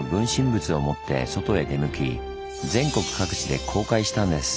仏を持って外へ出向き全国各地で公開したんです。